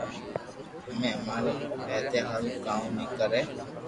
امي امارو نو ودايا ھارو ڪاو بي ڪري